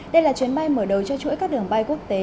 đây là chuyến bay mở đầu cho chuỗi các đường bay quốc tế